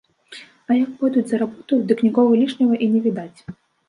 А як пойдуць за работаю, дык нікога лішняга і не відаць.